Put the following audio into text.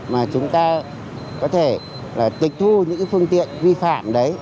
mà chúng ta có thể tịch thu những phương tiện vi phạm đấy